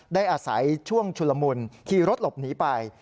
ได้อาศัยช่วงชุลมุนขี่รถหลบหนีไป